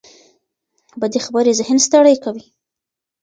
بدې خبرې ذهن ستړي کوي